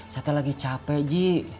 saya lagi capek